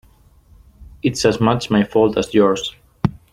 It's as much my fault as yours.